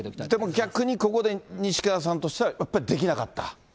逆にここで西川さんとしたら、やっぱりできなかった。